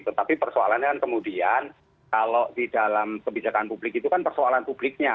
tetapi persoalannya kan kemudian kalau di dalam kebijakan publik itu kan persoalan publiknya